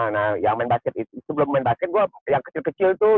nah yang main basket itu sebelum main basket gue yang kecil kecil tuh